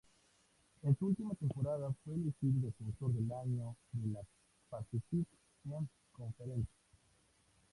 En su última temporada fue elegido Defensor del Año de la Pacific Ten Conference.